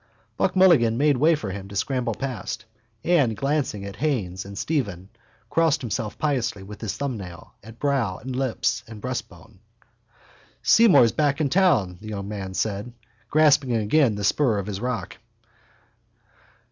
Buck Mulligan made way for him to scramble past and, glancing at Haines and Stephen, crossed himself piously with his thumbnail at brow and lips and breastbone. —Seymour's back in town, the young man said, grasping again his spur of rock.